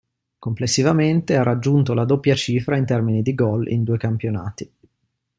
Complessivamente, ha raggiunto la doppia cifra in termini di gol in due campionati.